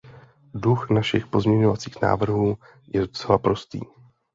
Duch našich pozměňovacích návrhů je docela prostý.